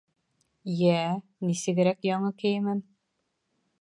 Йә, нисегерәк яңы кейемем?